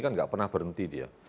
kan nggak pernah berhenti dia